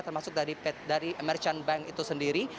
termasuk dari merchant bank itu sendiri